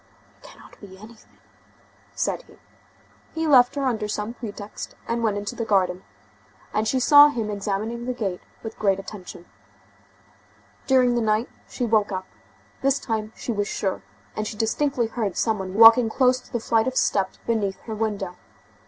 "It cannot be anything," said he. He left her under some pretext, and went into the garden, and she saw him examining the gate with great attention. During the night she woke up; this time she was sure, and she distinctly heard some one walking close to the flight of steps beneath her window.